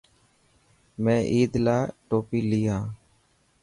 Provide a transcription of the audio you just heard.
مين عيد لاءِ ٽوپي لي هان.